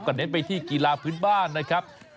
เน้นไปที่กีฬาพื้นบ้านนะครับ